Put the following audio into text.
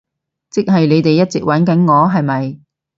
即係你哋一直玩緊我，係咪？